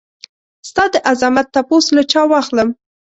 ستا دعظمت تپوس له چا واخلم؟